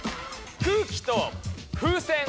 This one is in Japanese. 「空気」と「風船」。